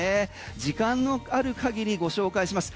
時間のある限りご紹介します。